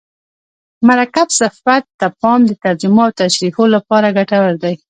مرکب صفت ته پام د ترجمو او تشریحو له پاره ګټور دئ.